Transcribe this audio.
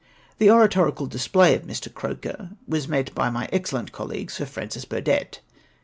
The oratorical display of Mr. Croker was met by my excellent colleague Sir Francis Burdett.